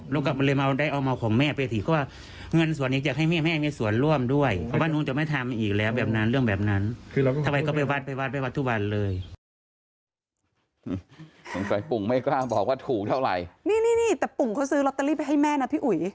สงสัยปุ่มไม่กล้าบอกว่าถูกเท่าไหร่นี่นี่แต่ปุ่มเขาซื้อลอตเตอรี่ไปให้แม่นะพี่อุ๋ย